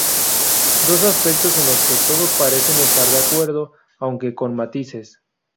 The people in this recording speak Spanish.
Dos aspectos en los que todos parecen estar de acuerdo aunque con matices.